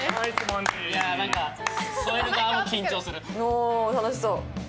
おー楽しそう。